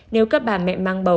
nếu các bà mẹ mang bầu